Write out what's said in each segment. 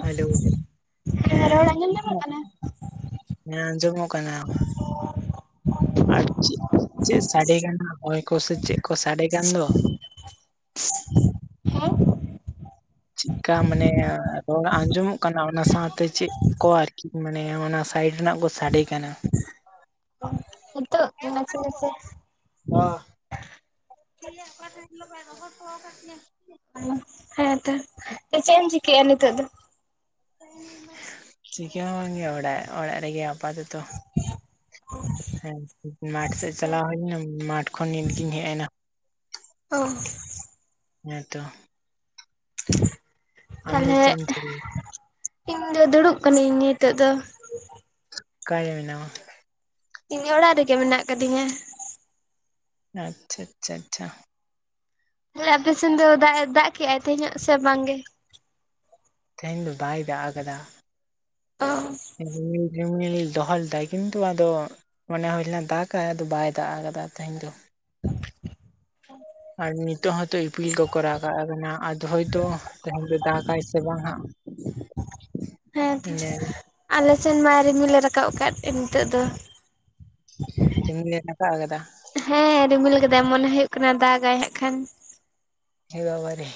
Hello, ᱨᱚᱲ ᱦᱮᱸ, ᱟᱸᱡᱚᱢ ᱧᱟᱢᱚᱜ ᱠᱟᱱᱟ? ᱦᱮᱸ ᱟᱸᱡᱚᱢᱚᱜ ᱠᱟᱱᱟ᱾ ᱟᱨ ᱪᱤᱜ ᱪᱮᱜ ᱥᱟᱰᱮ ᱠᱟᱱᱟ ᱦᱚᱭ ᱠᱚᱥᱮ ᱪᱮᱜ ᱠᱚ ᱥᱟᱰᱮ ᱠᱟᱱ ᱫᱚ, [inaudible] ᱦᱮᱸ ᱪᱤᱜᱠᱟ ᱢᱟᱱᱮ ᱨᱚᱲ ᱟᱸᱡᱚᱢᱚᱜ ᱠᱟᱱᱟ ᱚᱱᱟ ᱥᱟᱶᱛᱮ ᱪᱮᱜ ᱠᱚ ᱟᱨᱠᱤ ᱢᱟᱱᱮ ᱚᱱᱟ ᱥᱟᱭᱤᱰ ᱨᱮᱱᱟᱜ ᱠᱚ ᱥᱟᱰᱮ ᱠᱟᱱᱟ᱾ [unintelligible] ᱵᱟ [unintelligible] ᱚ ᱦᱮᱸᱛᱚ ᱪᱮᱜ ᱮᱢ ᱪᱤᱠᱟᱭᱼᱟ ᱱᱤᱛᱚᱜ ᱫᱚ? ᱪᱤᱠᱟᱹ ᱦᱚᱸ ᱵᱟᱝᱜᱮ ᱚᱲᱟᱜ ᱚᱲᱟᱜ ᱨᱮᱜᱮ ᱟᱯᱟᱛᱚᱛᱚ, ᱾ ᱦᱮᱸ ᱢᱟᱴᱷ ᱥᱮᱜ ᱪᱟᱞᱟᱣ ᱦᱩᱭ ᱞᱮᱱᱟ ᱢᱟᱴᱷ ᱠᱷᱚᱱ ᱱᱤᱛ ᱜᱤᱧ ᱦᱮᱜ ᱮᱱᱟ᱾ ᱚ, ᱦᱮᱸᱛᱚ, ᱟᱢ ᱫᱚ ᱛᱟᱞᱦᱮ ᱪᱮᱫ ᱮᱢ ᱪᱤᱠᱟᱹᱭ ᱤᱧ ᱫᱚ ᱫᱩᱲᱩᱵ ᱠᱟᱹᱱᱟᱹᱧ ᱱᱤᱛᱳᱜ ᱫᱚ᱾ ᱮᱠᱟᱭ ᱜᱮ ᱢᱮᱱᱟᱢᱟ? ᱤᱧ ᱚᱲᱟᱜ ᱨᱮᱜᱮ ᱢᱮᱱᱟᱜ ᱠᱟᱫᱤᱧᱟ᱾ ᱟᱪᱪᱷᱟ, ᱟᱪᱪᱷᱟ, ᱟᱪᱪᱷᱟ, ᱛᱟᱦᱞᱮ ᱟᱯᱮᱥᱮᱱ ᱫᱚ ᱫᱟᱜ ᱮ ᱫᱟᱜ ᱠᱮᱜ-ᱟᱭ ᱛᱮᱦᱮᱧᱚᱜ ᱥᱮ ᱵᱟᱝᱜᱮ? ᱛᱮᱦᱮᱧ ᱫᱚ ᱵᱟᱭ ᱫᱟᱜ ᱟᱠᱟᱫᱟ᱾ ᱚ, ᱨᱤᱢᱤᱞ ᱨᱤᱢᱤᱞ ᱫᱚᱦᱚ ᱞᱮᱫᱟᱭ ᱠᱤᱱᱛᱩ ᱟᱫᱚ ᱢᱚᱱᱮ ᱦᱩᱭ ᱞᱮᱱᱟ ᱫᱟᱜ-ᱟᱭ ᱟᱫᱚ ᱵᱟᱭ ᱫᱟᱜ ᱟᱠᱟᱫᱟ ᱛᱮᱦᱮᱧ ᱫᱚ᱾ [inaudible] ᱟᱨ ᱱᱤᱛᱚᱜ ᱦᱚᱸᱛᱚ ᱤᱯᱤᱞ ᱠᱚᱠᱚ ᱨᱟᱠᱟᱜ ᱟᱠᱟᱱᱟ ᱟᱫᱚ ᱦᱳᱭᱛᱚ ᱛᱮᱦᱮᱧ ᱫᱚ ᱫᱟᱜᱟᱭ ᱥᱮ ᱵᱟᱝ ᱦᱟᱸᱜ᱾ ᱦᱮᱸᱛᱚ ᱤᱧᱟᱹᱜ ᱟᱞᱮ ᱥᱮᱱ ᱢᱟ ᱨᱤᱢᱤᱞᱮ ᱨᱟᱠᱟᱵ ᱟᱠᱟᱫ ᱱᱤᱛᱳᱜ ᱫᱚ᱾ ᱨᱤᱢᱤᱞ ᱮ ᱨᱟᱠᱟᱜ ᱟᱠᱟᱫᱟ? ᱦᱮᱸ, ᱨᱤᱢᱤᱞ ᱠᱟᱫᱟᱭ ᱢᱚᱱᱮ ᱦᱩᱭᱩᱜ ᱠᱟᱱᱟ ᱫᱟᱜᱟᱭ ᱦᱟᱸᱜ ᱠᱷᱟᱱ᱾ ᱮ ᱵᱟᱵᱟ ᱨᱮ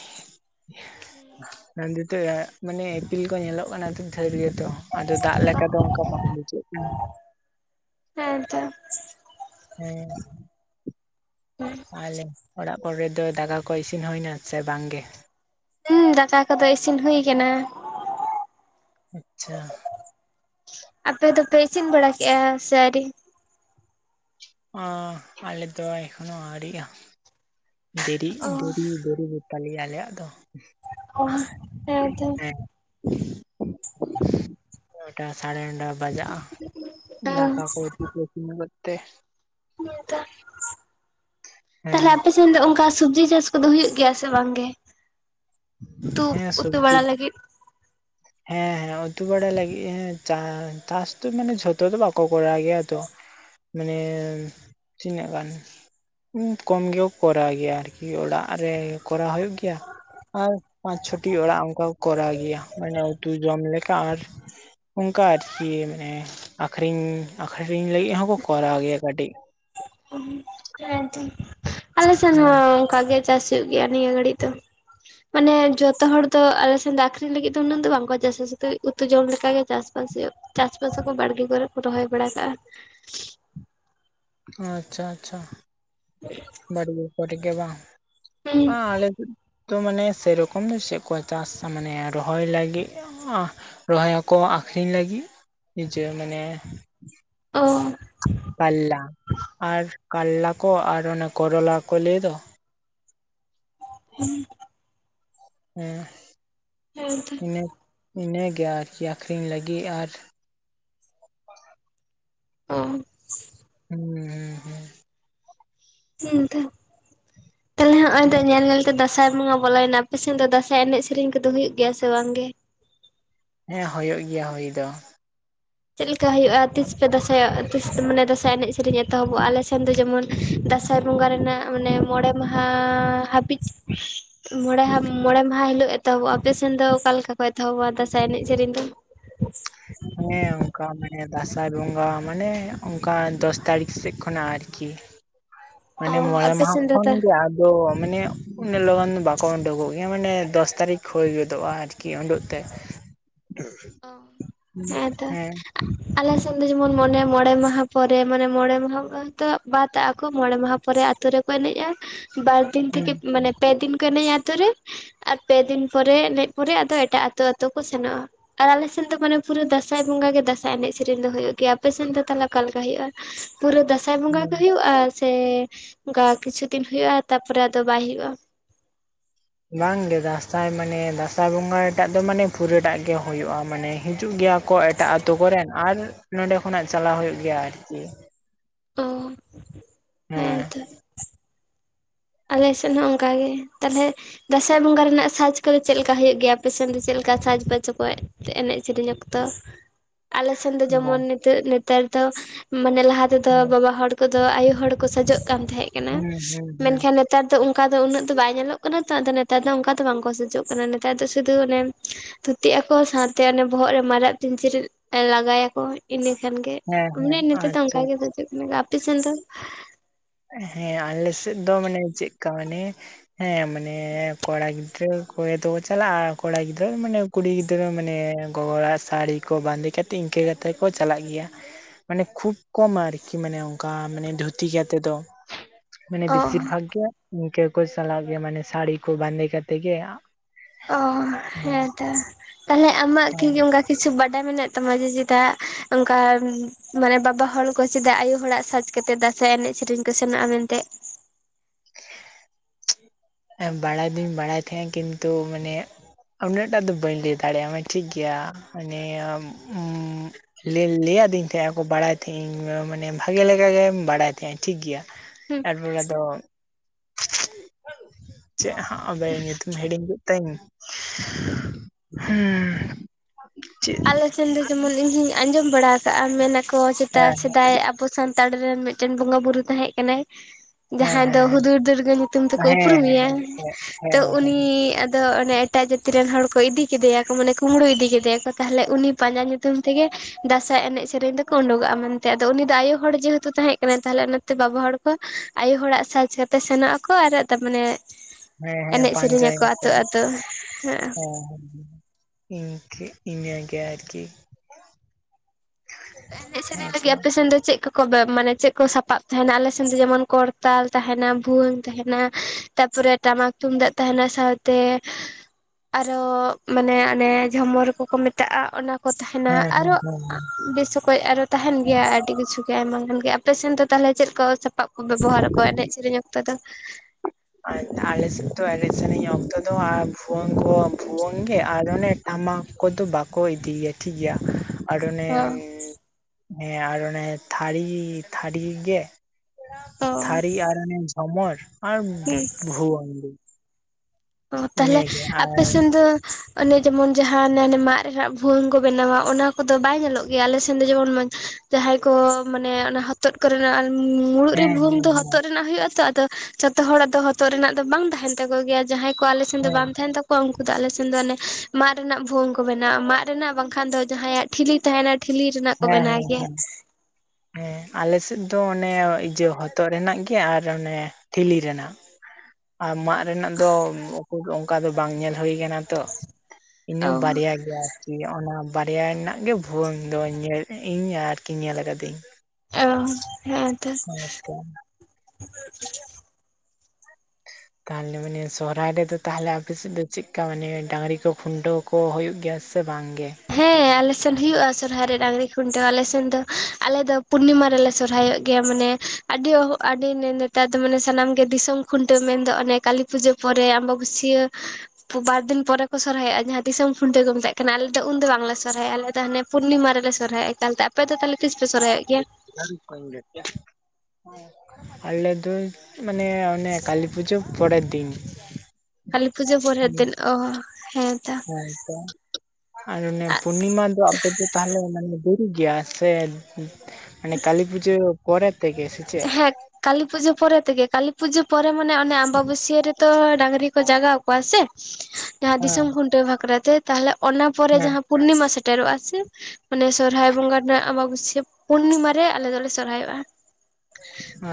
ᱱᱟᱹᱱᱫᱤ ᱛᱮᱜ ᱢᱟᱱᱮ ᱤᱯᱤᱞ ᱠᱚ ᱧᱮᱞᱚᱜ ᱠᱟᱱᱟ ᱰᱷᱟᱹᱨ ᱜᱮᱛᱚ ᱟᱫᱚ ᱫᱟᱜ ᱞᱮᱠᱟ ᱫᱚ ᱚᱝᱠᱟ ᱵᱟᱝ ᱵᱩᱡᱷᱟᱹᱜ ᱠᱟᱱᱟ᱾ ᱦᱮᱸ ᱮᱱᱛᱚ᱾ ᱦᱮᱸ, ᱛᱟᱦᱚᱞᱮ ᱚᱲᱟᱜ ᱠᱚᱨᱮ ᱫᱚ ᱫᱟᱠᱟ ᱠᱚ ᱤᱥᱤᱱ ᱦᱩᱭ ᱱᱟ ᱥᱮ ᱵᱟᱝ ᱜᱮ? ᱦᱩᱸ, ᱫᱟᱠᱟ ᱠᱚᱫᱚ ᱤᱥᱤᱱ ᱦᱩᱭ ᱠᱟᱱᱟ᱾ ᱟᱪᱪᱷᱟ, ᱟᱯᱮ ᱫᱚᱯᱮ ᱤᱥᱤᱱ ᱵᱟᱲᱟ ᱠᱮᱜᱼᱟ ᱥᱮ ᱟᱹᱣᱨᱤ? ᱚᱸ ᱟᱞᱮ ᱫᱚ ᱮᱠᱷᱚᱱᱳ ᱟᱹᱣᱨᱤᱜᱼᱟ᱾ ᱫᱮᱨᱤᱜ ᱫᱮᱨᱤ ᱫᱮᱨᱤ ᱜᱮᱛᱟᱞᱮᱭᱟ ᱟᱞᱮᱭᱟᱜ ᱫᱚ᱾ ᱚ, ᱦᱮᱸ ᱛᱚ᱾ [inaudible] ᱱᱚᱴᱟ ᱥᱟᱲᱮ ᱱᱚᱴᱟ ᱵᱟᱡᱟᱜᱼᱟ ᱫᱟᱠᱟ ᱠᱚ ᱩᱛᱩ ᱠᱚ ᱤᱥᱤᱱ ᱜᱚᱫᱚᱜ ᱛᱮ᱾ ᱦᱮᱸ ᱛᱚ, ᱦᱮᱸ ᱛᱟᱞᱦᱮ ᱟᱯᱮ ᱥᱮ ᱥᱮᱱ ᱫᱚ ᱚᱝᱠᱟ ᱥᱩᱵᱡᱤ ᱪᱟᱥ ᱠᱚᱫᱚ ᱦᱩᱭᱩᱜ ᱜᱮᱭᱟ ᱥᱮ ᱵᱟᱝ ᱜᱮ ᱩᱛᱩ ᱦᱮᱸ ᱩᱛᱩ ᱥᱚᱵᱡᱤ ᱵᱟᱲᱟ ᱞᱟᱹᱜᱤᱫ? ᱦᱮᱸ, ᱦᱮᱸ, ᱩᱛᱩ ᱵᱟᱲᱟ ᱞᱟᱹᱜᱤᱫ ᱦᱮᱸ ᱪᱟ ᱪᱟᱥ ᱫᱚ ᱢᱟᱱᱮ ᱡᱷᱚᱛᱚ ᱫᱚ ᱵᱟᱠᱚ ᱠᱚᱨᱟᱣ ᱜᱮᱭᱟ ᱛᱚ᱾ ᱢᱟᱱᱮ ᱛᱤᱱᱟᱹᱜ ᱜᱟᱱ ᱩᱸ ᱠᱚᱢ ᱜᱮᱠᱚ ᱠᱚᱨᱟᱣ ᱜᱮᱭᱟ ᱟᱨᱠᱤ ᱚᱲᱟᱜ ᱨᱮ ᱠᱚᱨᱟᱣ ᱦᱩᱭᱩᱜ ᱜᱮᱭᱟ᱾ ᱟᱨ ᱯᱟᱸᱪ ᱪᱷᱚᱴᱤ ᱚᱲᱟᱜ ᱚᱝᱠᱚ ᱠᱚ ᱠᱚᱨᱟᱣ ᱜᱮᱭᱟ᱾ ᱢᱟᱱᱮ ᱩᱛᱩ ᱡᱚᱢ ᱞᱮᱠᱟ ᱟᱨ ᱚᱱᱠᱟ ᱟᱨᱠᱤ ᱢᱟᱱᱮ ᱟᱠᱷᱨᱤᱧ ᱟᱠᱷᱨᱤᱧ ᱞᱟᱹᱜᱤᱫ ᱦᱚᱸᱠᱚ ᱠᱚᱨᱟᱣ ᱜᱮᱭᱟ ᱠᱟᱹᱴᱤᱡ᱾ [unintelligible] ᱦᱮᱸ ᱛᱚ, ᱟᱞᱮ ᱥᱮᱱ ᱦᱚᱸ ᱦᱮᱸ ᱚᱝᱠᱟ ᱜᱮ ᱪᱟᱥ ᱦᱩᱭᱩᱜ ᱜᱮᱭᱟ ᱱᱤᱭᱟᱹ ᱜᱷᱟᱹᱲᱤᱡ ᱫᱚ᱾ ᱢᱟᱱᱮ ᱡᱚᱛᱚ ᱦᱚᱲ ᱫᱚ ᱟᱞᱮ ᱥᱮᱱ ᱫᱚ ᱟᱠᱷᱨᱤᱧ ᱞᱟᱹᱜᱤᱫ ᱫᱚ ᱩᱱᱟᱹᱜ ᱫᱚ ᱵᱟᱝ ᱠᱚ ᱪᱟᱥᱟ ᱥᱩᱫᱩ ᱩᱛ ᱛᱩ ᱡᱚᱢ ᱞᱮᱠᱟ ᱜᱮ ᱪᱟᱥᱵᱟᱥ ᱦᱩᱭᱩᱜ, ᱪᱟᱥᱵᱟᱥ ᱟᱠᱚ ᱵᱟᱲᱜᱮ ᱠᱚᱨᱮ ᱠᱚ ᱨᱚᱦᱚᱭ ᱵᱟᱲᱟ ᱠᱟᱜᱼᱟ᱾ ᱟᱪᱪᱷᱟ, ᱟᱪᱪᱷᱟ, ᱵᱟᱲᱜᱮ ᱠᱚᱨᱮ ᱜᱮ ᱵᱟᱝ᱾ ᱦᱩᱸ ᱟᱸ ᱟᱞᱮᱥᱮ ᱫᱚ ᱢᱟᱱᱮ ᱥᱮᱨᱚᱠᱚᱢ ᱫᱚ ᱪᱮᱫ ᱠᱚ ᱪᱟᱥᱟ ᱢᱟᱱᱮ ᱨᱚᱦᱚᱭ ᱞᱟᱹᱜᱤᱫ ᱟᱸ ᱨᱚᱦᱚᱭ ᱟᱠᱚ ᱟᱠᱷᱨᱤᱧ ᱞᱟᱹᱜᱤᱫ ᱱᱤᱡᱟᱹ ᱢᱟᱱᱮ ᱚ, ᱠᱟᱞᱞᱟ, ᱟᱨ ᱠᱟᱞᱞᱟ ᱠᱚ ᱟᱨ ᱚᱱᱟ ᱠᱚᱨᱚᱞᱟ ᱠᱚ ᱞᱟᱹᱭ ᱫᱚ᱾ [inaudible] ᱮᱸ, ᱦᱮᱸ ᱛᱚ ᱤᱱᱟᱹ ᱤᱱᱟᱹ ᱜᱮ ᱟᱨ ᱪᱮ ᱟᱠᱷᱨᱤᱧ ᱞᱟᱹᱜᱤᱫ ᱟᱨ ᱚᱸ᱾ ᱦᱩᱸ ᱦᱩᱸ ᱦᱩᱸ᱾ ᱪᱤᱱᱛᱟᱹ ᱛᱟᱞᱦᱮ ᱦᱚᱸᱜᱼᱚᱭ ᱛᱚ ᱦᱩᱸ ᱧᱮᱞ ᱧᱮᱞ ᱛᱮ ᱫᱟᱥᱟᱸᱭ ᱵᱚᱸᱜᱟ ᱵᱚᱞᱚᱭᱱᱟ ᱟᱯᱮ ᱥᱮᱱ ᱫᱚ ᱫᱟᱥᱟᱭ ᱮᱱᱮᱡ ᱥᱮᱨᱮᱧ ᱠᱚᱫᱚ ᱦᱩᱭᱩᱜ ᱜᱮᱭᱟ ᱥᱮ ᱵᱟᱝ ᱜᱮ? ᱦᱮᱸ ᱦᱳᱭᱳᱜ ᱜᱮᱭᱟ ᱦᱩᱭ ᱫᱚ ᱪᱮᱫ ᱞᱮᱠᱟ ᱦᱩᱭᱩᱜᱼᱟ, ᱛᱤᱥ ᱯᱮ ᱫᱟᱥᱟᱭᱚᱜ ᱛᱤᱥ ᱯᱮ ᱢᱟᱱᱮ ᱫᱟᱥᱟᱭ ᱮᱱᱮᱡ ᱥᱮᱨᱮᱧ ᱮᱛᱚᱦᱚᱵᱚᱜᱼᱟ? ᱟᱞᱮ ᱥᱮᱱ ᱫᱚ ᱡᱮᱢᱚᱱ ᱫᱟᱥ ᱥᱟᱭ ᱵᱚᱸᱜᱟ ᱨᱮᱱᱟᱜ ᱢᱟᱱᱮ ᱢᱚᱬᱮ ᱢᱟᱦᱟ ᱦᱟᱹᱵᱤᱡ ᱢᱚᱬᱮᱦᱟ ᱢᱚᱬᱮ ᱢᱟᱦᱟ ᱦᱤᱞᱳᱜ ᱮ ᱮᱛᱚᱦᱚᱵᱚᱜ-ᱟ ᱟᱯᱮ ᱥᱮᱱ ᱫᱚ ᱚᱠᱟ ᱞᱮᱠᱟ ᱠᱚ ᱮᱛᱚᱦᱚᱵᱟ ᱫᱟᱸᱥᱟᱭ ᱮᱱᱮᱡ ᱥᱮᱨᱮᱧ ᱫᱚ? ᱦᱮᱸ ᱚᱝᱠᱟ ᱢᱟᱱᱮ ᱫᱟᱸᱥᱟᱭ ᱵᱚᱸᱜᱟ ᱢᱟᱱᱮ ᱚᱝᱠᱟ ᱫᱚᱥ ᱛᱟᱨᱤᱠᱷ ᱥᱮᱫ ᱠᱷᱚᱱᱟᱜ ᱟᱨᱠᱤ᱾ [inaudible] ᱢᱟᱱᱮ ᱢᱚᱬᱮ ᱟᱯᱮ ᱢᱟᱦᱟ ᱥᱮᱱ ᱫᱚ ᱠᱷᱚᱱ ᱛᱟ ᱜᱮ ᱟᱫᱚ ᱢᱟᱱᱮ ᱩᱱᱟᱹᱜ ᱞᱚᱜᱚᱱ ᱫᱚ ᱵᱟᱠᱚ ᱩᱰᱩᱠᱚᱜ ᱜᱮᱭᱟ ᱢᱟᱱᱮ, ᱫᱚᱥ ᱛᱟᱹᱨᱤᱠᱷ ᱦᱩᱭ ᱜᱚᱫᱚᱜᱼᱟ ᱟᱨᱠᱤ ᱩᱰᱩᱜ ᱛᱮ᱾ [inaudible] ᱚ ᱦᱮᱸ ᱛᱚ᱾ ᱟᱞᱮ ᱥᱮᱱ ᱫᱚ ᱡᱮᱢᱚᱱ ᱢᱚᱱᱮ ᱢᱚᱬᱮ ᱢᱟᱦᱟ ᱯᱚᱨᱮ, ᱢᱟᱱᱮ ᱢᱚᱬᱮ ᱢᱟᱦᱟ [unintelligible] ᱛᱚ ᱵᱟᱫᱟᱜ-ᱟ ᱟᱠᱚ ᱢᱚᱬᱮ ᱢᱟᱦᱟ ᱯᱚᱨᱮ ᱟᱛᱳ ᱨᱮᱠᱚ ᱮᱱᱮᱡᱼᱟ, ᱵᱟᱨ ᱫᱤᱱ ᱦᱮᱸ ᱛᱷᱮᱠᱮ ᱢᱟᱱᱮ ᱯᱮ ᱫᱤᱱ ᱠᱚ ᱮᱱᱮᱡᱼᱟ ᱟᱛᱳ ᱨᱮ, ᱟᱨ ᱯᱮ ᱫᱤᱱ ᱯᱚᱨᱮ ᱮᱱᱮᱡ ᱯᱚᱨᱮ ᱟᱫᱚ ᱮᱴᱟᱜ ᱟᱹᱛᱳ ᱟᱹᱛᱳ ᱠᱚ ᱥᱮᱱᱚᱜᱼᱟ᱾ ᱟᱨ ᱟᱞᱮ ᱥᱮᱱ ᱫᱚ ᱢᱟᱱᱮ ᱯᱩᱨᱟᱹ ᱫᱟᱥᱟᱭ ᱵᱚᱸᱜᱟ ᱜᱮ ᱫᱟᱸᱟᱭ ᱮᱱᱮᱡ ᱥᱮᱨᱮᱧ ᱫᱚ ᱦᱩᱭᱩᱜ ᱜᱮᱭᱟ, ᱟᱯᱮ ᱥᱮᱱ ᱫᱚ ᱛᱟᱞᱦᱮ ᱚᱠᱟ ᱞᱮᱠᱟ ᱦᱩᱭᱩᱜᱼᱟ? ᱯᱩᱨᱟᱹ ᱫᱟᱥ ᱥᱟᱭ ᱵᱚᱸᱜᱟ ᱦᱮᱸ ᱜᱮ ᱦᱩᱭᱩᱜᱼᱟ? ᱥᱮ ᱚᱱᱠᱟ ᱠᱤᱪᱷᱩ ᱫᱤᱱ ᱦᱩᱭᱩᱜᱼᱟ ᱛᱟᱯᱚᱨᱮ ᱟᱫᱚ ᱵᱟᱭ ᱦᱩᱭᱩᱜᱼᱟ᱾ ᱵᱟᱝ ᱜᱮ ᱫᱟᱸᱥᱟᱭ ᱢᱟᱱᱮ ᱫᱟᱸᱥᱟᱭ ᱵᱚᱸᱜᱟ ᱴᱟᱜ ᱫᱚ ᱢᱟᱱᱮ ᱯᱩᱨᱟᱹᱴᱟᱜ ᱜᱮ ᱦᱩᱭᱩᱜᱼᱟ ᱢᱟᱱᱮ ᱦᱤᱡᱩᱜ ᱜᱮᱭᱟ ᱠᱚ ᱮᱴᱟᱜ ᱟᱛᱳ ᱠᱚᱨᱮᱱ ᱟᱨ ᱱᱚᱸᱰᱮ ᱠᱷᱚᱱᱟᱜ ᱪᱟᱞᱟᱣ ᱦᱩᱭᱩᱜ ᱜᱮᱭᱟ ᱟᱨᱠᱤ᱾ ᱚ᱾ ᱦᱮᱸ᱾ ᱟᱞᱮ ᱥᱮᱱ ᱦᱚᱸ ᱚᱱᱠᱟ ᱜᱮ᱾ ᱛᱟᱞᱦᱮ ᱫᱟᱸᱥᱟᱭ ᱵᱚᱸᱜᱟ ᱨᱮᱱᱟᱜ ᱥᱟᱡᱽ ᱠᱚᱫᱚ ᱪᱮᱫ ᱞᱮᱠᱟ ᱦᱩᱭᱩᱜ ᱜᱮᱭᱟ ᱟᱯᱮ ᱥᱮᱱ ᱫᱚ ᱪᱮᱫ ᱞᱮᱠᱟ ᱥᱟᱡᱽ ᱵᱟᱡᱚ ᱠᱚ ᱮᱱᱛᱮ ᱮᱱᱮᱡ ᱥᱮᱨᱮᱧ ᱚᱠᱛᱚ? ᱟᱞᱮ ᱥᱮᱱ ᱫᱚ ᱵᱟ ᱡᱮᱢᱚᱱ ᱱᱤᱛ ᱱᱮᱛᱟᱨ ᱫᱚ ᱢᱟᱱᱮ ᱞᱟᱦᱟ ᱛᱮᱫᱚ ᱦᱮᱸ ᱵᱟᱵᱟ ᱦᱚᱲ ᱠᱚᱫᱚ ᱟᱭᱳ ᱦᱚᱲ ᱠᱚ ᱥᱟᱡᱚᱜ ᱠᱟᱱ ᱛᱟᱦᱮᱸᱜ ᱠᱟᱱᱟ᱾ ᱦᱮᱸ ᱦᱮᱸ ᱢᱮᱱᱠᱷᱟᱱ ᱱᱮᱛᱟᱨ ᱫᱚ ᱚᱱᱠᱟ ᱫᱚ ᱩᱱᱟᱹᱜ ᱫᱚ ᱵᱟᱭ ᱧᱮᱞᱚᱜ ᱠᱟᱱᱟ ᱛᱚ ᱟᱫᱚ ᱱᱮᱛᱟᱨ ᱫᱚ ᱚᱱᱠᱟ ᱫᱚ ᱵᱟᱝᱠᱚ ᱥᱮᱚᱡᱚᱜ ᱠᱟᱱᱟ ᱱᱮᱛᱟᱨ ᱫᱚ ᱥᱩᱫᱩ ᱚᱱᱮ ᱫᱷᱩᱛᱤᱜ ᱟᱠᱚ ᱥᱟᱶᱛᱮ ᱚᱱᱮ ᱵᱚᱦᱚᱜ ᱨᱮ ᱢᱟᱨᱟᱜ ᱯᱤᱧᱪᱤᱨ ᱞᱟᱜᱟᱭᱟᱠᱚ᱾ ᱤᱱᱟᱹ ᱠᱷᱟᱱ ᱜᱮ, ᱦᱮᱸ ᱢᱟᱱᱮ ᱦᱮᱸ ᱤᱱᱮᱛᱟᱨ ᱫᱚ ᱟᱪᱪᱷᱟ ᱚᱱᱠᱟ ᱜᱮ ᱥᱟᱡᱚᱜ ᱠᱟᱱᱟ ᱠᱚ, ᱟᱯᱮ ᱥᱮᱱ ᱫᱚ? ᱦᱮᱸ ᱟᱞᱮ ᱥᱮᱫ ᱫᱚ ᱢᱟᱱᱮ ᱪᱮᱫᱠᱟ ᱢᱟᱱᱮ ᱦᱮᱸ ᱢᱟᱱᱮ ᱠᱚᱲᱟ ᱜᱤᱫᱽᱨᱟᱹ ᱠᱚᱜᱮ ᱛᱚᱠᱚ ᱪᱟᱞᱟᱜᱼᱟ ᱠᱚᱲᱟ ᱜᱤᱫᱽᱨᱟᱹ ᱢᱟᱱᱮ ᱠᱩᱲᱤ ᱜᱤᱫᱽᱨᱟᱹ ᱢᱟᱱᱮ ᱜᱚᱜᱚ ᱦᱚᱲᱟᱜ ᱥᱟᱹᱲᱤ ᱠᱚ ᱵᱟᱸᱫᱮ ᱠᱟᱛᱮᱫ ᱤᱱᱠᱟᱹ ᱠᱟᱛᱮ ᱠᱚ ᱪᱟᱞᱟᱜ ᱜᱮᱭᱟ᱾ ᱢᱟᱱᱮ ᱠᱷᱩᱵ ᱠᱚᱢ ᱟᱨᱠᱤ ᱢᱟᱱᱮ ᱚᱱᱠᱟ ᱢᱟᱱᱮ ᱫᱷᱩᱛᱤ ᱠᱟ ᱛᱮᱫᱚ, ᱢᱟᱱᱮ ᱚ ᱵᱤᱥᱤᱨ ᱵᱷᱟᱜᱽ ᱜᱮ ᱤᱱᱠᱟᱹ ᱠᱚ ᱪᱟᱞᱟᱜ ᱜᱮᱭᱟ ᱢᱟᱱᱮ ᱥᱟᱹᱲᱤ ᱠᱚ ᱵᱟᱸᱫᱮ ᱠᱟᱛᱮ ᱜᱮ᱾ ᱚ ᱦᱮᱸ ᱛᱚ ᱛᱟᱞᱦᱮ ᱟᱢᱟᱜ ᱠᱤ ᱚᱱᱠᱟ ᱠᱤᱪᱷᱩ ᱵᱟᱰᱟᱭ ᱢᱮᱱᱟᱜ ᱛᱟᱢᱟ ᱡᱮ ᱪᱮᱫᱟᱜ ᱚᱱᱠᱟ ᱢᱟᱱᱮ ᱵᱟᱵᱟ ᱦᱚᱲ ᱠᱚ ᱪᱮᱫᱟᱜ ᱟᱭᱳ ᱦᱚᱲᱟᱜ ᱥᱟᱡᱽ ᱠᱟᱛᱮᱜ ᱫᱟᱥᱟᱸᱭ ᱮᱱᱮᱡ ᱥᱮᱨᱮᱧ ᱠᱚ ᱥᱮᱱᱚᱜᱼᱟ ᱢᱮᱱᱛᱮ᱾ ᱵᱟᱲᱟᱭ ᱫᱩᱧ ᱵᱟᱲᱟᱭ ᱛᱟᱦᱮᱸ-ᱟ ᱠᱤᱱᱛᱩ ᱢᱟᱱᱮ ᱩᱱᱟᱹᱜᱴᱟ ᱫᱚ ᱵᱟᱹᱧ ᱞᱟᱹᱭ ᱫᱟᱲᱮᱭᱟᱢᱟ ᱴᱷᱤᱠ ᱜᱮᱭᱟ, ᱢᱟᱱᱮ ᱩᱸᱻ ᱞᱟᱹᱭ ᱞᱟᱹᱭᱟᱫᱤᱧ ᱛᱟᱦᱮᱸ-ᱟ ᱠᱚ ᱵᱟᱲᱟᱭ ᱛᱟᱦᱮᱸ ᱤᱧ ᱢᱟᱱᱮ ᱵᱷᱟᱜᱮ ᱞᱮᱠᱟ ᱜᱮ ᱵᱟᱲᱟᱭ ᱛᱟᱦᱮᱸ ᱤᱧ ᱴᱷᱤᱠ ᱜᱮᱭᱟ, ᱦᱩᱸ ᱛᱟᱨᱯᱚᱨ ᱟᱫᱚ, ᱪᱮᱫ ᱦᱟᱸᱜ ᱦᱟᱯᱮ ᱧᱩᱛᱩᱢ ᱦᱤᱲᱤᱧ ᱠᱮᱫ ᱛᱟᱹᱭᱟᱹᱧ, ᱦᱩᱸᱻ ᱪᱮᱫ? ᱟᱞᱮ ᱥᱮᱱ ᱫᱚ ᱡᱮᱢᱚᱱ ᱤᱧ ᱦᱩᱧ ᱟᱸᱡᱚᱢ ᱵᱟᱲᱟ ᱠᱟᱜᱼᱟ ᱢᱮᱱᱟᱠᱚ ᱪᱮᱛᱟ ᱦᱮᱸ ᱥᱮᱫᱟᱭ ᱟᱵᱚ ᱥᱟᱱᱛᱟᱲ ᱨᱮᱱ ᱢᱤᱫᱴᱮᱱ ᱵᱚᱸᱜᱟ ᱵᱩᱨᱩ ᱛᱟᱦᱮᱸᱜ ᱠᱟᱱᱟᱭ ᱦᱮᱸ ᱡᱟᱦᱟᱸᱭ ᱦᱮᱸ ᱫᱚ ᱦᱮᱸ ᱦᱩᱫᱩᱲ ᱫᱩᱨᱜᱟᱹ ᱧᱩᱛᱩᱢ ᱛᱮᱠᱚ ᱦᱮᱸ ᱦᱮᱸ ᱩᱯᱨᱩᱢᱮᱭᱟ, ᱦᱮᱸ ᱛᱚ ᱦᱮᱸ ᱩᱱᱤ ᱟ ᱫᱚ ᱚᱱᱮ ᱮᱴᱟᱜ ᱡᱟᱹᱛᱤ ᱨᱮᱱ ᱦᱚᱲ ᱠᱚ ᱤᱫᱤ ᱠᱮᱫᱮᱭᱟ ᱠᱚ ᱢᱟᱱᱮ ᱠᱩᱢᱵᱽᱲᱩ ᱤᱫᱤ ᱠᱮᱫᱮᱭᱟᱠᱚ, ᱛᱟᱦᱚᱞᱮ ᱩᱱᱤ ᱯᱟᱸᱡᱟ ᱧᱩᱛᱩᱢ ᱛᱮᱜᱮ ᱫᱟᱥᱟᱸᱭ ᱮᱱᱮᱡ ᱥᱮᱨᱮᱧ ᱫᱚᱠᱚ ᱩᱰᱩᱠᱚᱜᱼᱟ ᱢᱮᱱᱛᱮ, ᱟᱫᱚ ᱩᱱᱤ ᱫᱚ ᱟᱭᱳ ᱦᱚᱲ ᱡᱮᱦᱮᱛᱩ ᱛᱟᱦᱮᱸᱜ ᱠᱟᱱᱟᱭ ᱛᱟᱦᱚᱞᱮ ᱚᱱᱟᱛᱮ ᱵᱟᱵᱟ ᱦᱚᱲ ᱠᱚ ᱟᱭᱳ ᱦᱚᱲᱟᱜ ᱥᱟᱡᱽ ᱠᱟᱛᱮ ᱥᱮᱱᱚᱜ-ᱟ ᱠᱚ ᱟᱨ ᱛᱟ ᱢᱟᱱᱮ ᱦᱮᱸ ᱦᱮᱸ ᱯᱟᱸᱡᱟᱭᱟᱠᱚ ᱦᱮᱸ ᱦᱮᱸ᱾ ᱤᱱᱠᱟᱹ ᱤᱱᱟᱹ ᱜᱮ ᱟᱨᱠᱤ᱾ ᱮᱱᱮᱡ ᱥᱮᱨᱮᱧ ᱦᱮᱸ ᱞᱟᱹᱜᱤᱫ ᱛᱚ ᱟᱯᱮ ᱥᱮᱱ ᱫᱚ ᱪᱮᱫ ᱠᱚ? ᱠᱚ ᱵᱮ ᱢᱟᱱᱮ ᱪᱮᱫ ᱠᱚ ᱥᱟᱯ-ᱟᱯ ᱛᱟᱦᱮᱱᱟ ᱟᱞᱮ ᱥᱮᱱ ᱫᱚ ᱡᱮᱢᱚᱱ ᱠᱚᱨᱛᱟᱞ ᱛᱟᱦᱮᱱᱟ ᱵᱷᱩᱣᱟᱹᱝ ᱛᱟᱦᱮᱱᱟ ᱛᱟᱯᱚᱨᱮ ᱴᱟᱢᱟᱠ ᱛᱩᱢᱫᱟᱜ ᱛᱟᱦᱮᱱᱟ ᱥᱟᱶᱛᱮ ᱟᱨᱚ ᱢᱟᱱᱮ ᱚᱱᱮ ᱡᱷᱢᱚᱨ ᱠᱚᱠᱚ ᱢᱮᱛᱟᱜᱼᱟ ᱚᱱᱟ ᱠᱚ ᱛᱟᱦᱮᱱᱟ ᱦᱮᱸ ᱦᱮᱸ ᱟᱨᱚ ᱦᱮᱸ ᱵᱮᱥ ᱚᱠᱚᱡ ᱟᱨᱚ ᱛᱟᱦᱮᱱ ᱜᱮᱭᱟ ᱟᱹᱰᱤ ᱠᱤᱪᱷᱩ᱾ ᱜᱮ ᱟᱭᱢᱟ ᱜᱟᱱ ᱜᱮ ᱟᱯᱮ ᱥᱮᱱ ᱫᱚ ᱛᱟᱦᱚᱞᱮ ᱪᱮᱫ ᱠᱚ ᱥᱟᱯ-ᱟᱯ ᱠᱚ ᱵᱮᱵᱚᱦᱟᱨ ᱟᱠᱚ ᱮᱱᱮᱡ ᱥᱮᱨᱮᱧ ᱚᱠᱛᱚ ᱫᱚ? ᱟᱨ ᱟᱞᱮ ᱥᱮᱫ ᱫᱚ ᱮᱱᱮᱡ ᱥᱮᱨᱮᱧ ᱚᱠᱛᱚ ᱫᱚ ᱟᱨ ᱵᱷᱩᱣᱟᱹᱝ ᱠᱚ ᱵᱷᱩᱣᱟᱹᱝ ᱜᱮ ᱟᱨ ᱚᱱᱮ ᱴᱟᱢᱟᱠ ᱠᱚᱫᱚ ᱵᱟᱠᱚ ᱤᱫᱤ ᱜᱮᱭᱟ ᱴᱷᱤᱠ ᱜᱮᱭᱟ᱾ ᱟᱲ ᱚᱱᱮ, ᱦᱚᱸ ᱟᱨ ᱚᱱᱮ ᱛᱷᱟᱹᱨᱤ ᱛᱷᱟᱹᱨᱤ ᱜᱮ, ᱚ ᱛᱟᱹᱨᱤ ᱟᱨ ᱟᱱᱮ ᱡᱚᱢᱚᱨ ᱟᱨ ᱦᱩᱸ᱾ ᱵᱷᱩᱣᱟᱹᱝ ᱜᱮ᱾ ᱚᱸ ᱛᱟᱦᱚᱞᱮ ᱤᱱᱟᱹᱜᱮ ᱟᱯᱮ ᱟᱨ ᱥᱮᱱ ᱫᱚ ᱚᱱᱮ ᱡᱮᱢᱚᱱ ᱡᱟᱦᱟᱸ ᱚᱱᱮ ᱦᱟᱱᱮ ᱢᱟᱫ ᱨᱮᱱᱟᱜ ᱵᱷᱩᱣᱟᱹᱝ ᱠᱚ ᱵᱮᱱᱟᱣᱟ ᱚᱱᱟ ᱠᱚᱫᱚ ᱵᱟᱭ ᱧᱮᱞᱚᱜ ᱜᱮᱭᱟ ᱟᱞᱮ ᱥᱮᱱ ᱫᱚ ᱡᱮᱢᱚᱱ ᱡᱟᱦᱟᱸᱭ ᱠᱚ ᱢᱟᱱᱮ ᱚᱱᱟ ᱦᱚᱛᱚᱫ ᱠᱚᱨᱮᱱᱟᱜ ᱢᱩᱲᱩᱫ ᱨᱮ ᱦᱮᱸ ᱦᱮᱸ ᱵᱷᱩᱣᱟᱹᱝ ᱫᱚ ᱦᱮᱸ ᱦᱚᱛᱚᱫ ᱨᱮᱱᱟᱜ ᱦᱩᱭᱩᱜ-ᱟ ᱛᱚ ᱟᱫᱚ ᱡᱷᱚᱛᱚ ᱦᱚᱲᱟᱜ ᱫᱚ ᱦᱚᱛᱚᱫ ᱨᱮᱱᱟᱜ ᱫᱚ ᱵᱟᱝ ᱛᱟᱦᱮᱱ ᱛᱟᱠᱚ ᱜᱮᱭᱟ ᱡᱟᱦᱟᱸᱭ ᱠᱚ ᱟᱞᱮ ᱥᱮᱱ ᱫᱚ ᱦᱮᱸ ᱵᱟᱝ ᱛᱟᱦᱮᱱ ᱛᱟ ᱠᱚᱣᱟ ᱩᱱᱠᱩ ᱫᱚ ᱟᱞᱮ ᱥᱮᱱ ᱫᱚ ᱚᱱᱮ ᱢᱟᱫ ᱨᱮᱱᱟᱜ ᱵᱷᱩᱣᱟᱹᱝ ᱠᱚ ᱵᱮᱱᱟᱣᱟ, ᱢᱟᱫ ᱨᱮᱱᱟᱜ ᱵᱟᱝᱠᱷᱟᱱ ᱫᱚ ᱡᱟᱦᱟᱸᱭᱟᱜ ᱴᱷᱤᱞᱤ ᱛᱟᱦᱮᱱᱟ ᱠᱷᱤᱞᱤ ᱨᱮᱱᱟᱜ ᱠᱚ ᱦᱮᱸ ᱵᱮᱱᱟᱣ ᱦᱮᱸ ᱦᱮᱸ᱾ [inaudible] ᱦᱮᱸ ᱟᱞᱮ ᱥᱮᱫ ᱫᱚ ᱚᱱᱮ ᱤᱭᱟᱹ ᱦᱚᱛᱚᱫ ᱨᱮᱱᱟᱜ ᱜᱮ ᱟᱨ ᱚᱱᱮ ᱴᱷᱤᱞᱤ ᱨᱮᱱᱟᱜ᱾ ᱟᱨ ᱢᱟᱫ ᱨᱮᱱᱟᱜ ᱫᱚ ᱩᱠᱩᱨ ᱚᱱᱠᱟ ᱫᱚ ᱵᱟᱝ ᱧᱮᱞ ᱦᱩᱭ ᱠᱟᱱᱟ ᱛᱚ᱾ ᱤᱱᱟᱹ ᱚ ᱵᱟᱨᱭᱟ ᱜᱮᱭᱟ ᱟᱨᱠᱤ ᱚᱱᱟ ᱵᱟᱨᱭᱟ ᱨᱮᱱᱟᱜ ᱜᱮ ᱵᱷᱩᱣᱟᱹᱝ ᱫᱚ ᱧᱮᱞ ᱤᱧ ᱟᱨᱠᱤ ᱧᱮᱞ ᱟᱠᱟᱫᱟᱹᱧ᱾ ᱚ ᱦᱮᱸ ᱛᱚ᱾ ᱦᱳᱭ ᱛᱚ᱾ [inaudible] ᱛᱟᱦᱚᱞᱮ ᱢᱟᱱᱮ ᱥᱚᱦᱨᱟᱭ ᱨᱮᱫᱚ ᱛᱟᱦᱞᱮ ᱟᱯᱮ ᱥᱮᱫ ᱫᱚ ᱪᱮᱫᱠᱟ ᱢᱟᱱᱮ ᱰᱟᱝᱨᱤ ᱠᱚ ᱠᱷᱩᱱᱴᱟᱹᱣ ᱠᱚ ᱦᱩᱭᱩᱜ ᱜᱮᱭᱟ ᱥᱮ ᱵᱟᱝ ᱜᱮ? ᱦᱮᱸ ᱟᱞᱮ ᱥᱮᱱ ᱦᱩᱭᱩᱜᱼᱟ ᱥᱚᱨᱦᱟᱭ ᱨᱮ ᱰᱟᱝᱨᱤ ᱠᱷᱩᱱᱴᱟᱹᱣ ᱟᱞᱮ ᱥᱮᱱ ᱫᱚ, ᱟᱞᱮ ᱫᱚ ᱯᱩᱨᱱᱤᱢᱟ ᱨᱮᱞᱮ ᱥᱚᱦᱨᱟᱭᱚᱜ ᱜᱮᱭᱟ ᱢᱟᱱᱮ ᱟᱹᱰᱤ ᱚ ᱟᱹᱰᱤ ᱱᱮᱛᱟᱨ ᱫᱚ ᱢᱟᱱᱮ ᱥᱟᱱᱟᱢ ᱜᱮ ᱫᱤᱥᱚᱢ ᱠᱷᱩᱱᱴᱟᱹᱣ ᱢᱮᱱᱫᱚ ᱚᱱᱮ ᱠᱟᱹᱞᱤ ᱯᱩᱡᱟᱹ ᱯᱚᱨᱮ ᱟᱢᱵᱟ ᱵᱟᱹᱥᱭᱟᱹ ᱯᱚ ᱵᱟᱨ ᱫᱤᱱ ᱯᱚᱨᱮ ᱠᱚ ᱥᱚᱨᱦᱟᱭᱚᱜᱼᱟ ᱡᱟᱦᱟᱸ ᱫᱤᱥᱚᱢ ᱠᱷᱩᱱᱴᱟᱹᱣ ᱠᱚ ᱢᱮᱛᱟᱜ ᱠᱟᱱᱟ, ᱟᱞᱮ ᱟᱫᱚ ᱩᱱ ᱫᱚ ᱵᱟᱝᱞᱮ ᱥᱚᱨᱦᱟᱭᱚᱜ ᱟᱞᱮ ᱫᱚ ᱦᱟᱱᱮ ᱯᱩᱨᱱᱤᱢᱟ ᱨᱮ ᱥᱚᱨᱦᱟᱭᱚᱜᱼᱟ ᱾ ᱛᱟᱦᱚᱞᱮ ᱟᱯᱮ ᱫᱚ ᱛᱟᱦᱚᱞᱮ ᱛᱤᱥ ᱯᱮ ᱥᱚᱨᱦᱟᱭᱚᱜ ᱜᱮᱭᱟ? ᱜᱟᱹᱲᱤ ᱠᱚᱧ ᱡᱩᱛ ᱜᱮᱭᱟ ᱾ ᱟᱞᱮ ᱫᱚ ᱢᱟᱱᱮ ᱚᱱᱮ ᱠᱟᱹᱞᱤ ᱯᱩᱡᱟᱹ ᱯᱚᱨᱮ ᱫᱤᱱ ᱾ ᱠᱟᱹᱞᱤ ᱯᱩᱡᱟᱹ ᱵᱚᱨᱮ ᱫᱤᱱ ᱚ ᱦᱮᱸ ᱛᱚ ᱾ ᱦᱚᱭ ᱛᱚ ᱾ ᱟᱨ ᱚᱱᱮ ᱯᱩᱨᱱᱤᱢᱟ ᱫᱚ ᱟᱯᱮ ᱫᱚ ᱛᱟᱦᱚᱞᱮ ᱫᱩᱨᱩ ᱜᱮᱭᱟ ᱥᱮ ᱾ ᱢᱟᱱᱮ ᱠᱟᱹᱞᱤ ᱯᱩᱡᱟᱹ ᱯᱚᱨᱮ ᱛᱮᱜᱮ ᱥᱮ ᱾ ᱦᱮᱸ ᱠᱟᱹᱞᱤ ᱯᱩᱡᱟᱹ ᱯᱚᱨᱮ ᱛᱮᱜᱮ ᱠᱟᱹᱞᱤ ᱯᱩᱡᱟᱹ ᱯᱚᱨᱮ ᱢᱟᱱᱮ ᱚᱱᱮ ᱟᱢᱵᱟ ᱵᱟᱹᱥᱭᱟᱹ ᱨᱮ ᱾ ᱛᱚ ᱰᱟᱝᱨᱤ ᱠᱚ ᱡᱟᱜᱟᱣ ᱠᱚᱣᱟ ᱥᱮ, ᱡᱟᱦᱟᱸ ᱦᱮᱸ ᱫᱤᱥᱚᱢ ᱠᱷᱩᱱᱴᱟᱹᱣ ᱵᱟᱠᱷᱨᱟ ᱛᱮ ᱾ ᱛᱟᱦᱚᱞᱮ ᱚᱱᱟ ᱯᱚᱨᱮ ᱦᱮᱸ ᱡᱟᱦᱟᱸ ᱯᱩᱨᱱᱤᱢᱟ ᱥᱮᱴᱮᱨᱚᱜᱼᱟ ᱥᱮ, ᱢᱟᱱᱮ ᱥᱚᱨᱦᱟᱭ ᱵᱚᱸᱜᱟ ᱨᱮᱱᱟᱜ ᱟᱢᱵᱟ ᱵᱟᱹᱥᱭᱟᱹᱼᱼ ᱯᱩᱨᱱᱤᱢᱟ ᱨᱮ ᱟᱞᱮ ᱫᱚᱞᱮ ᱥᱚᱨᱦᱟᱭᱚᱜᱼᱟ ᱾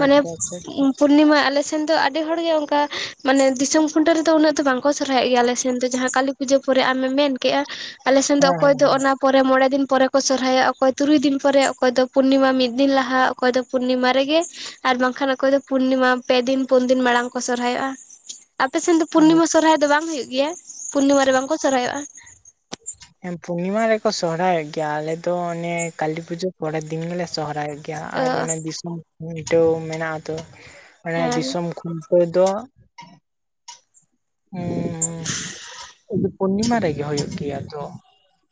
ᱢᱟᱱᱮ ᱟᱪᱪᱷᱟ ᱤᱧ ᱯᱩᱨᱱᱤᱢᱟ ᱟᱞᱮ ᱥᱮᱱ ᱫᱚ ᱟᱹᱰᱤ ᱦᱚᱲ ᱜᱮ ᱚᱱᱠᱟ ᱢᱟᱱᱮ ᱫᱤᱥᱚᱢ ᱠᱷᱩᱱᱴᱟᱹ ᱨᱮᱫᱚ ᱩᱱᱟᱹᱜ ᱫᱚ ᱵᱟᱝᱠᱚ ᱥᱚᱨᱦᱟᱭᱚᱜ ᱜᱮᱭᱟ ᱾ ᱟᱞᱮ ᱥᱮᱱ ᱫᱚ ᱡᱟᱦᱟᱸ ᱠᱟᱹᱞᱤᱼᱼ ᱯᱩᱡᱟᱹ ᱯᱚᱨᱮ ᱟᱢᱮᱢ ᱢᱮᱱ ᱠᱮᱫᱮᱜᱼᱟ ᱟᱞᱮ ᱥᱮᱱ ᱫᱚ ᱚᱠᱚᱭ ᱦᱮᱸ ᱫᱚ ᱚᱱᱟᱼᱼ ᱯᱚᱨᱮ ᱢᱚᱬᱮ ᱫᱤᱱ ᱯᱚᱨᱮ ᱠᱚ ᱥᱚᱨᱦᱟᱭᱚᱜ ᱟ ᱾ ᱚᱠᱚᱭ ᱛᱩᱨᱩᱭ ᱫᱤᱱ ᱯᱚᱨᱮ ᱚᱠᱚᱭ ᱫᱚ ᱯᱩᱨᱱᱤᱢᱟ ᱢᱤᱫ ᱫᱤᱱ ᱞᱟᱦᱟ ᱚᱠᱚᱭ ᱫᱚ ᱯᱩᱨᱱᱤᱢᱟᱼᱼ ᱨᱮᱜᱮ ᱟᱨ ᱵᱟᱝᱠᱷᱟᱱ ᱚᱠᱚᱭ ᱫᱚ ᱯᱩᱨᱱᱤᱢᱟ ᱯᱮ ᱫᱤᱱ ᱯᱩᱱ ᱫᱤᱱ ᱢᱟᱲᱟᱝ ᱠᱚ ᱥᱚᱨᱦᱟᱭᱚᱜᱼᱟ ᱾ ᱟᱯᱮ ᱥᱮᱱ ᱫᱚ ᱦᱮᱸ ᱯᱩᱨᱱᱤᱢᱟ ᱥᱚᱨᱦᱟᱭ ᱫᱚ ᱵᱟᱝ ᱦᱩᱭᱩᱜ ᱜᱮᱭᱟ ᱯᱩᱨᱱᱤᱢᱟ ᱨᱮ ᱵᱟᱝᱠᱚ ᱥᱚᱨᱦᱟᱭᱚᱜᱼᱟ? ᱦᱮᱸ ᱯᱩᱨᱱᱤᱢᱟ ᱨᱮᱠᱚ ᱥᱚᱦᱨᱟᱭᱚᱜ ᱜᱮᱭᱟ, ᱟᱞᱮ ᱫᱚ ᱚᱱᱮ ᱠᱟᱹᱞᱤ ᱯᱩᱡᱟᱹ ᱯᱚᱨᱮ ᱫᱤᱱ ᱜᱮᱞᱮ ᱥᱚᱦᱨᱟᱭᱚᱜᱼᱼ ᱜᱮᱭᱟ ᱾ ᱛᱚ ᱟᱨ ᱚᱱᱮ ᱫᱤᱥᱚᱢ ᱠᱷᱩᱱᱴᱟᱹᱣ ᱢᱮᱱᱟᱜ ᱟᱛᱚ ᱚᱱᱮ ᱦᱮᱸ ᱫᱤᱥᱚᱢ ᱠᱷᱩᱱᱴᱟᱹᱣ ᱫᱚᱼᱼ ᱩᱸᱻ ᱯᱩᱨᱱᱤᱢᱟ ᱨᱮᱜᱮ ᱦᱩᱭᱩᱜ ᱜᱮᱭᱟ ᱛᱚ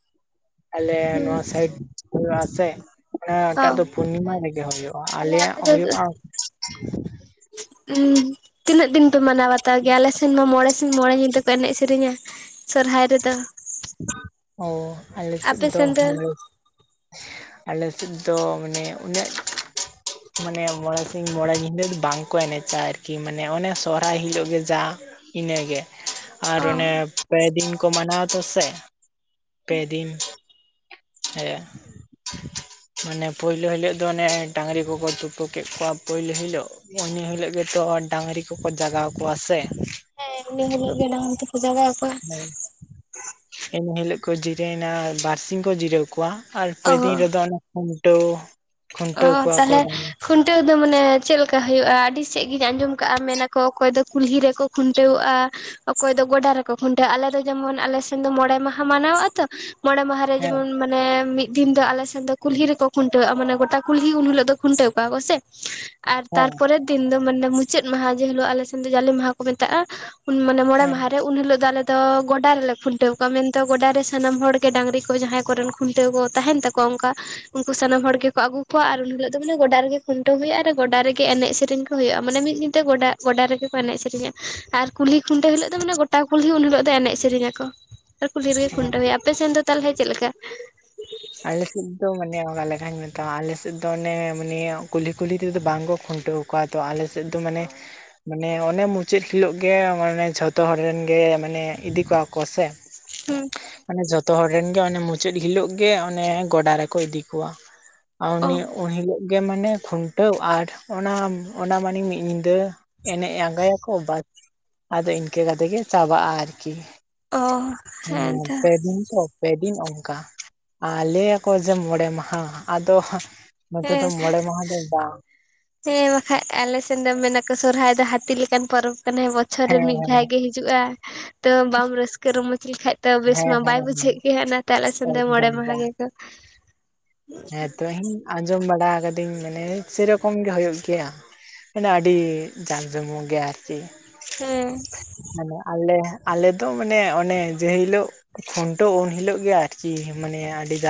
᱾ ᱟᱞᱮ ᱦᱩᱸ ᱱᱚᱣᱟ ᱥᱟᱭᱤᱰ ᱦᱩᱭᱩᱜ ᱟᱥᱮ ᱾ ᱚᱱᱟ ᱚ ᱴᱟᱜ ᱫᱚ ᱯᱩᱨᱱᱤᱢᱟ ᱦᱮᱸ ᱨᱮᱜᱮ ᱦᱩᱭᱩᱜᱼᱟ, ᱟᱞᱮᱭᱟᱜ ᱦᱩᱭᱩᱜᱼᱟ ᱾ ᱩᱸ ᱛᱤᱱᱟᱹᱜ ᱫᱤᱱ ᱯᱮ ᱢᱟᱱᱟᱣ ᱵᱟᱛᱟᱣ ᱜᱮᱭᱟ? ᱟᱞᱮ ᱥᱮᱱ ᱢᱟ ᱢᱚᱬᱮᱼᱼ ᱥᱤᱧ ᱢᱚᱬᱮ ᱧᱤᱫᱟᱹ ᱠᱚ ᱮᱱᱮᱡ ᱥᱮᱨᱮᱧᱟ ᱥᱚᱨᱦᱟᱭ ᱨᱮᱫᱚ ᱾ ᱚ ᱟᱞᱮ ᱥᱮᱫ ᱟᱯᱮ ᱫᱚ ᱥᱮᱱ ᱦᱚᱭᱼᱼ ᱟᱞᱮ ᱥᱮᱫ ᱫᱚ ᱢᱟᱱᱮ ᱩᱱᱟᱹᱜᱼᱼ ᱢᱟᱱᱮ ᱢᱚᱬᱮ ᱥᱤᱧ ᱢᱚᱬᱮ ᱧᱤᱫᱟᱹᱫᱚ ᱵᱟᱝᱠᱚ ᱮᱱᱮᱡᱼᱟ ᱟᱨᱠᱤ ᱢᱟᱱᱮ ᱚᱱᱮ ᱥᱚᱦᱨᱟᱭ ᱦᱤᱞᱳᱜ ᱜᱮ ᱡᱟᱦᱟᱸᱼᱼ ᱤᱱᱟᱹ ᱜᱮ ᱾ ᱟᱨ ᱚ ᱚᱱᱮ ᱯᱮ ᱫᱤᱱ ᱠᱚ ᱢᱟᱱᱟᱣ ᱛᱚ ᱥᱮ ᱯᱮ ᱫᱤᱱ ᱾ ᱦᱮᱸ ᱾ ᱢᱟᱱᱮ ᱯᱳᱭᱞᱳ ᱦᱤᱞᱳᱜ ᱫᱚ ᱚᱱᱮ ᱰᱟᱝᱨᱤ ᱠᱚᱠᱚ ᱛᱩᱯᱩ ᱠᱮᱫ ᱠᱚᱣᱟ ᱯᱳᱭᱞᱳ ᱦᱤᱞᱳᱜ। ᱩᱱᱤ ᱦᱤᱞᱳᱜ ᱜᱮᱛᱚ ᱰᱟᱝᱨᱤ ᱠᱚᱠᱚ ᱡᱟᱜᱟᱣ ᱠᱚᱣᱟ ᱥᱮ ᱾ ᱦᱮᱸ ᱮᱱᱤ ᱦᱤᱞᱚᱜ ᱜᱮ ᱰᱟᱝᱨᱤ ᱫᱚᱠᱚ ᱡᱟᱜᱟᱣ ᱠᱚᱣᱟ। ᱦᱳᱭ, ᱤᱱ ᱦᱤᱞᱚᱜ ᱠᱚ ᱡᱤᱨᱟᱹᱭᱮᱱᱟ, ᱵᱟᱨᱥᱤᱧ ᱠᱚ ᱡᱤᱨᱟᱹᱣ ᱠᱚᱣᱟ। ᱟᱨ ᱯᱮ ᱚ ᱫᱤᱱ ᱨᱮᱫᱚ ᱚᱱᱮ ᱠᱷᱩᱱᱴᱟᱹᱣ, ᱚ ᱠᱷᱩᱱᱴᱟᱹᱣ ᱠᱚᱣᱟ ᱠᱚ ᱛᱟᱦᱚᱞᱮ ᱾ ᱠᱷᱩᱱᱴᱟᱹᱣ ᱫᱚ ᱢᱟᱱᱮ ᱪᱮᱫ ᱞᱮᱠᱟ ᱦᱩᱭᱩᱜᱼᱟ? ᱟᱹᱰᱤ ᱥᱮᱫ ᱜᱤᱧ ᱟᱸᱡᱚᱢ ᱠᱟᱜᱼᱟ, ᱢᱮᱱᱟᱠᱚ ᱚᱠᱚᱭ ᱫᱚ ᱠᱩᱞᱦᱤ ᱨᱮᱠᱚ ᱠᱷᱩᱱᱴᱟᱹᱣᱟᱜᱼᱟ। ᱚᱠᱚᱭ ᱫᱚ ᱜᱚᱰᱟ ᱨᱮᱠᱚ ᱠᱷᱩᱱᱴᱟᱹᱜᱼᱟ, ᱟᱞᱮ ᱫᱚ ᱡᱮᱢᱚᱱ ᱟᱞᱮᱥᱱ ᱫᱚ ᱢᱚᱬᱮ ᱢᱟᱦᱟ ᱢᱟᱱᱟᱣ ᱟ ᱛᱚ, ᱢᱚᱬᱮ ᱢᱟᱦᱟ ᱼᱼ ᱦᱮᱸ ᱡᱮᱢᱚᱱ ᱢᱟᱱᱮ ᱢᱤᱫ ᱫᱤᱱ ᱫᱚ ᱟᱞᱮ ᱥᱮᱱ ᱫᱚ ᱠᱩᱞᱦᱤ ᱨᱮᱠᱚ ᱠᱷᱩᱱᱴᱟᱹᱜᱼᱟ, ᱢᱟᱱᱮ ᱜᱚᱴᱟᱼᱼ ᱠᱩᱞᱦᱤ ᱩᱱ ᱦᱤᱞᱳ ᱫᱚ ᱠᱷᱩᱱᱴᱟᱹᱣ ᱠᱚᱣᱟ ᱠᱚ ᱥᱮ। ᱟᱨ ᱦᱮᱸ ᱛᱟᱨᱯᱚᱨᱮ ᱼᱼ ᱫᱤᱱ ᱫᱚ ᱢᱟᱱᱮ ᱢᱩᱪᱟᱹᱫ ᱢᱟᱦᱟ ᱡᱮ ᱦᱤᱞᱳᱜ ᱾ ᱟᱞᱮ ᱥᱮᱱ ᱫᱚ ᱡᱟᱞᱮ ᱢᱟᱦᱟ ᱠᱚ ᱢᱮᱛᱟᱜᱼᱟ, ᱩᱱ ᱢᱟᱱᱮ ᱢᱚᱬᱮ ᱦᱮᱸ ᱢᱟᱦᱟ ᱨᱮ ᱼᱼ ᱩᱱ ᱦᱤᱞᱚᱜ ᱫᱚ ᱟᱞᱮ ᱫᱚ ᱜᱚᱰᱟ ᱨᱮᱞᱮ ᱠᱷᱩᱱᱴᱟᱹᱣ ᱠᱚᱣᱟ। ᱢᱮᱱᱛᱮ ᱜᱚᱰᱟ ᱨᱮ ᱥᱟᱱᱟᱢ ᱦᱚᱲ ᱜᱮ ᱰᱟᱝᱨᱤ ᱠᱚ ᱡᱟᱦᱟᱸᱭ ᱠᱚᱨᱮᱱ ᱠᱷᱩᱱᱴᱟᱹᱣ ᱠᱚ ᱛᱟᱦᱮᱱ ᱛᱟᱠᱚᱼᱼ ᱠᱚ ᱚᱱᱠᱟ, ᱩᱱᱠᱩ ᱥᱟᱱᱟᱢ ᱦᱚᱲ ᱜᱮᱠᱚ ᱟᱹᱜᱩ ᱼᱼ ᱠᱚᱣᱟ। ᱟᱨ ᱩᱱ ᱦᱤᱞᱳᱜ ᱫᱚ ᱢᱟᱱᱮ ᱜᱚᱰᱟ ᱨᱮᱜᱮ ᱠᱷᱩᱱᱴᱟᱹᱣ ᱦᱩᱭᱩᱜᱼᱟ ᱟᱨ ᱜᱚᱰᱟ ᱨᱮᱜᱮ ᱮᱱᱮᱡ ᱥᱮᱨᱮᱧ ᱠᱚ ᱦᱩᱭᱩᱜᱼᱟ। ᱢᱟᱱᱮ ᱢᱤᱫ ᱫᱤᱱᱛᱮ ᱜᱚᱰᱟ ᱼᱼ ᱜᱚᱰᱟ ᱨᱮᱜᱮ ᱠᱚ ᱮᱱᱮᱡ ᱥᱮᱨᱮᱧᱟ, ᱟᱨ ᱠᱩᱞᱦᱤ ᱠᱷᱩᱱᱴᱟᱹᱣ ᱦᱤᱞᱳᱜ ᱫᱚ ᱢᱟᱱᱮ ᱜᱚᱴᱟ ᱠᱩᱞᱦᱤ ᱩᱱ ᱦᱤᱞᱚᱜ ᱫᱚ ᱮᱱᱮᱡ ᱥᱮᱨᱮᱧ ᱟᱠᱚ। ᱟᱨ ᱠᱩᱞᱦᱤ ᱨᱮᱜᱮ ᱦᱮᱸ ᱠᱷᱩᱱᱴᱟᱹᱣ ᱦᱩᱭᱩᱜᱼᱟ। ᱟᱯᱮ ᱥᱮᱱ ᱫᱚ ᱛᱟᱞᱦᱮ ᱪᱮᱫ ᱞᱮᱠᱟ? ᱟᱞᱮᱥᱮᱫ ᱫᱚ ᱢᱟᱱᱮ ᱚᱱᱟ ᱞᱮᱠᱟᱧ ᱢᱮᱛᱟᱢᱟ ᱟᱯᱮ ᱥᱮᱫ ᱫᱚ ᱢᱟᱱᱮ ᱠᱩᱞᱦᱤ ᱠᱩᱞᱦᱤ ᱛᱮᱫᱚ ᱵᱟᱝᱠᱚ ᱠᱷᱩᱱᱴᱟᱹᱣ ᱼᱼ ᱠᱚᱣᱟ ᱛᱚ। ᱟᱞᱮ ᱥᱮᱫ ᱫᱚ ᱢᱟᱱᱮ ᱼᱼ ᱢᱟᱱᱮ ᱚᱱᱮ ᱢᱩᱪᱟᱹᱫ ᱦᱤᱞᱳᱜ ᱜᱮ, ᱢᱟᱱᱮ ᱡᱷᱚᱛᱚ ᱦᱚᱲ ᱨᱮᱱ ᱜᱮ ᱢᱟᱱᱮ ᱤᱫᱤ ᱠᱚᱣᱟ ᱠᱚ ᱥᱮ ᱦᱩᱸ ᱢᱟᱱᱮ ᱡᱷᱚᱛᱚ ᱦᱚᱲ ᱨᱮᱱ ᱜᱮ ᱚᱱᱮ ᱢᱩᱪᱟᱹᱫ ᱦᱤᱞᱳᱜ ᱼᱼ ᱜᱮ ᱚᱱᱮ ᱜᱚᱰᱟ ᱨᱮᱠᱚ ᱤᱫᱤ ᱠᱚᱣᱟ। ᱟᱨ ᱚ ᱩᱱᱤ ᱩᱱ ᱦᱤᱞᱚᱜ ᱼᱼ ᱜᱮ ᱢᱟᱱᱮ ᱠᱷᱩᱱᱴᱟᱹᱣ। ᱟᱨ ᱚᱱᱟ ᱚᱱᱟ ᱢᱟᱱᱮ ᱢᱤᱜ ᱧᱤᱫᱟᱹ ᱼᱼ ᱮᱱᱮᱡ ᱟᱸᱜᱟᱭᱟᱠᱚ, ᱵᱟᱥ ᱟᱫᱚ ᱤᱱᱠᱟᱹ ᱠᱟᱛᱮ ᱜᱮ ᱪᱟᱵᱟᱜᱼᱟ ᱟᱨᱠᱤ ᱚᱦ ᱚᱱᱟ ᱯᱮ ᱫᱤᱱ ᱛᱚ? ᱯᱮ ᱫᱤᱱ ᱚᱝᱠᱟ। ᱟᱨ ᱞᱮᱭᱟᱠᱚ ᱡᱮ ᱢᱚᱬᱮ ᱢᱟᱦᱟ, ᱟᱫᱚ ᱼᱼ ᱱᱚᱛᱮ ᱫᱚ ᱦᱮᱸ ᱢᱚᱲᱮ ᱢᱟᱦᱟ ᱫᱚ ᱵᱟᱝ। ᱦᱮᱸ ᱵᱟᱠᱷᱟᱡ ᱟᱞᱮ ᱥᱮᱱ ᱫᱚ ᱢᱮᱱᱟ ᱠᱚ ᱥᱚᱨᱦᱟᱭ ᱫᱚ ᱦᱟᱹᱛᱤ ᱞᱮᱠᱟᱱ ᱯᱚᱨᱚᱵᱽ ᱠᱟᱱᱟ। ᱵᱚᱪᱷᱚᱨ ᱨᱮ ᱦᱮᱸ ᱢᱤᱫ ᱦᱮᱸ ᱫᱷᱟᱣ ᱜᱮ ᱦᱤᱡ [unintelligible] ᱼᱼ ᱦᱤᱡᱩᱜᱼᱟ ᱛᱚ ᱵᱟᱢ ᱨᱟᱹᱥᱠᱟᱹ ᱨᱚᱢᱚᱡᱽ ᱞᱮᱠᱷᱟᱡ ᱼᱼ ᱛᱚ ᱵᱮᱥ ᱢᱟ ᱦᱮᱸ ᱦᱮᱸ ᱵᱟᱭ ᱦᱮᱸ ᱵᱩᱡᱷᱟᱹᱜ ᱜᱮ। ᱚᱱᱟᱛᱮ ᱟᱞᱮ ᱥᱮᱱ ᱫᱚ ᱢᱚᱬᱮ ᱮᱠᱫᱚᱢ ᱢᱟᱦᱟ ᱜᱮ ᱠᱚ ᱼᱼ ᱦᱮᱸᱛᱚᱧ ᱟᱸᱡᱚᱢ ᱵᱟᱲᱟ ᱠᱟᱹᱫᱟᱹᱧ, ᱢᱟᱱᱮ ᱥᱮᱨᱚᱠᱚᱢ ᱜᱮ ᱦᱩᱭᱩᱜ ᱜᱮᱭᱟ। ᱢᱟᱱᱮ ᱟᱹᱰᱤ ᱡᱟᱠ ᱡᱚᱢᱚᱠ ᱜᱮ ᱟᱨ ᱠᱤ। ᱦᱮᱸ ᱢᱟᱱᱮ ᱟᱞᱮ ᱟᱞᱮ ᱫᱚ ᱢᱟᱱᱮ ᱚᱱᱮ, ᱡᱮ ᱦᱤᱞᱳᱜ ᱼᱼ ᱠᱷᱩᱱᱴᱟᱹᱣ ᱩᱱ ᱦᱤᱞᱳᱜ ᱜᱮ ᱟᱨᱠᱤ। ᱢᱟᱱᱮ ᱟᱹᱰᱤ ᱫᱟᱢ [unintelligible]